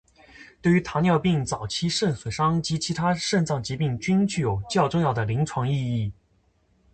对于糖尿病早期肾损伤及其他肾脏疾病均具有较重要的临床意义。